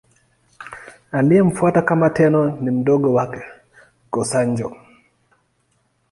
Aliyemfuata kama Tenno ni mdogo wake, Go-Sanjo.